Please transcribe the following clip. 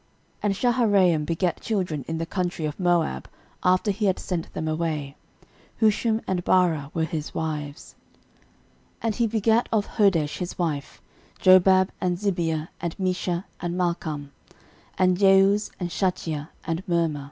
13:008:008 And Shaharaim begat children in the country of Moab, after he had sent them away; Hushim and Baara were his wives. 13:008:009 And he begat of Hodesh his wife, Jobab, and Zibia, and Mesha, and Malcham, 13:008:010 And Jeuz, and Shachia, and Mirma.